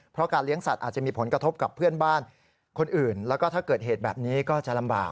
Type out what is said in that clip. เพราะการเลี้ยงสัตว์อาจจะมีผลกระทบกับเพื่อนบ้านคนอื่นแล้วก็ถ้าเกิดเหตุแบบนี้ก็จะลำบาก